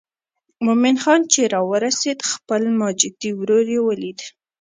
مومن خان چې راورسېد خپل ماجتي ورور یې ولید.